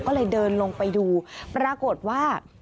ก็เลยเดินลงไปดูปรากฏว่า